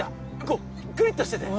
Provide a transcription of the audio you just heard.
こうクリッとしてて。